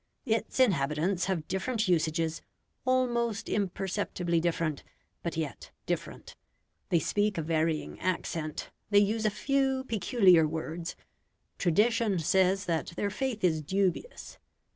Its inhabitants have different usages, almost imperceptibly different, but yet different; they speak a varying accent; they use a few peculiar words; tradition says that their faith is dubious.